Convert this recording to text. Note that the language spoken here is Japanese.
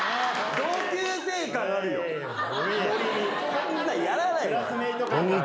こんなんやらないから。